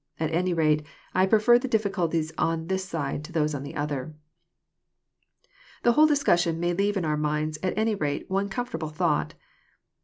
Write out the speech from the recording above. At any rate I prefer the difficulties on this side to those on the other. The whole discussion may leave in our minds, at any rate, one comfortable thought.